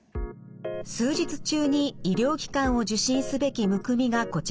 数日中に医療機関を受診すべきむくみがこちらです。